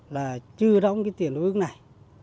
là chưa đóng cái tiền lưu ứng này